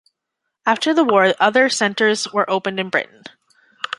After the war other centres were opened in Britain.